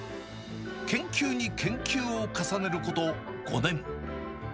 研究に研究を重ねること５年。